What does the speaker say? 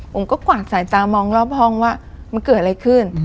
ผมก็กวาดสายตามองรอบห้องว่ามันเกิดอะไรขึ้น